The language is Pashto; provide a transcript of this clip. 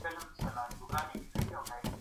ستورپوهنه لومړنی علم و چي جلا سو.